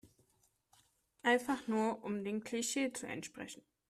Einfach nur um dem Klischee zu entsprechen.